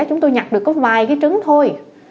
chúng tôi nhặt được có vài cái trứng thôi